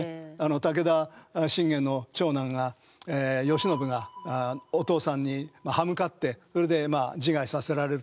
武田信玄の長男が義信がお父さんに刃向かってそれで自害させられる。